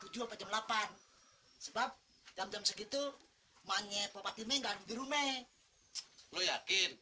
jam delapan sebab jam jam segitu banyak bapak timing garis di rumah lo yakin